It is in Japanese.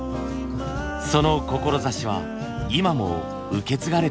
その志は今も受け継がれていました。